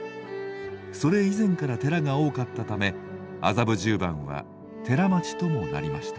それ以前から寺が多かったため麻布十番は寺町ともなりました。